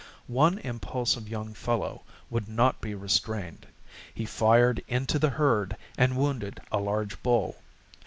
One impulsive young fellow would not be restrained; he fired into the herd and wounded a large bull.